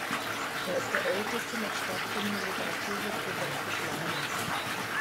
Er ist der älteste noch stattfindende Literaturwettbewerb des Landes.